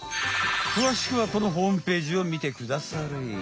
くわしくはこのホームページを見てくだされ。